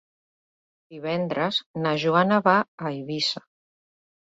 Divendres na Joana va a Eivissa.